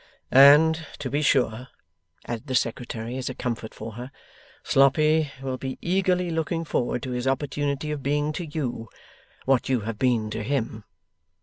'And to be sure,' added the Secretary, as a comfort for her, 'Sloppy will be eagerly looking forward to his opportunity of being to you what you have been to him.